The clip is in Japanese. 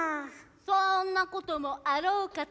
そんなこともあろうかと。